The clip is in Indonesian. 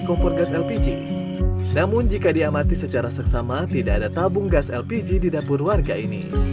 kompor gas lpg namun jika diamati secara seksama tidak ada tabung gas lpg di dapur warga ini